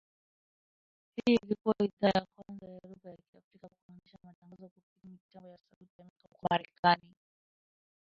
Hii ilikua idhaa ya kwanza ya lugha ya Kiafrika kuanzisha matangazo kupitia mitambo ya Sauti ya Amerika huko Marekani